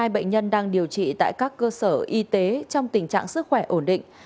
hai bệnh nhân đang điều trị tại các cơ sở y tế trong tình trạng sức khỏe ổn định